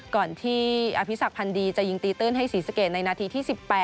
ก่อนที่อภิษักพันธ์ดีจะยิงตีตื้นให้ศรีสะเกดในนาทีที่๑๘